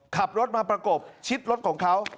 ขับรถมาประกบชิดรถของเขา